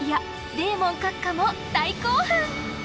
デーモン閣下も大興奮！